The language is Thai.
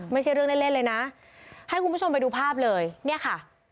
ไม่ใช่เรื่องเล่นเล่นเลยนะให้คุณผู้ชมไปดูภาพเลยเนี่ยค่ะ